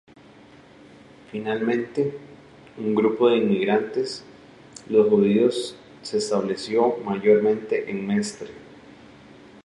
Finalmente, un grupo de inmigrantes, los judíos, se estableció mayormente en Mestre.